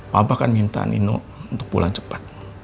papa kan minta nino untuk pulang cepat